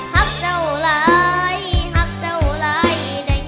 หักเจ้าหลายหักเจ้าหลาย